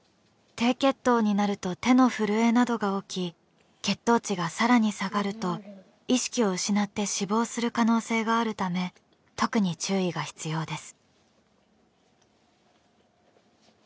低血糖になると手の震えなどが起き血糖値がさらに下がると意識を失って死亡する可能性があるため特に注意が必要です。